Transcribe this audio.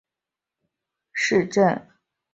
韦森多尔夫是德国下萨克森州的一个市镇。